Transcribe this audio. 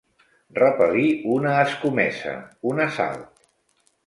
Repel·lir una escomesa, un assalt.